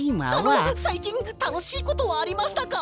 あのさいきんたのしいことはありましたか！？